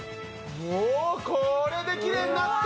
もうこれできれいになって。